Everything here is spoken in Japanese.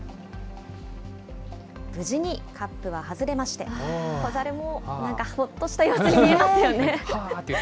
無事にカップは外れまして、子ザルもなんかほっとした様子に見えますよね。